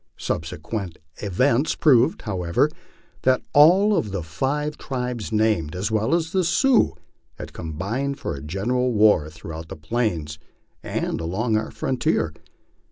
Subsequent events proved, however, that all of the five tribes named, as well as the Sioux, had combined for a general war throughout the Plains and along our frontier.